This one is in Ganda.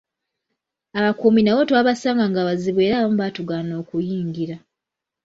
Abakuumi nabo twabasanga nga bazibu era abamu baatugaana okuyingira.